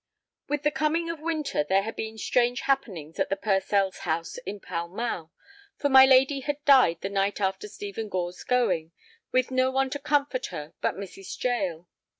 XL With the coming of winter there had been strange happenings at the Purcells' house in Pall Mall, for my lady had died the night after Stephen Gore's going, with no one to comfort her but Mrs. Jael.